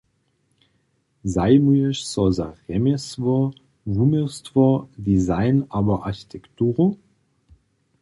Zajimuješ so za rjemjesło, wuměłstwo, design abo architekturu?